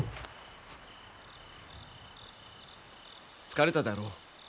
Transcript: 疲れたであろう。